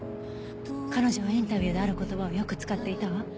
彼女はインタビューである言葉をよく使っていたわ。